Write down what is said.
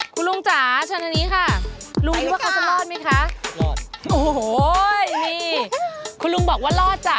คุณลุงจ๋าเชิญทางนี้ค่ะลุงคิดว่าเขาจะรอดไหมคะรอดโอ้โหนี่คุณลุงบอกว่ารอดจ้ะ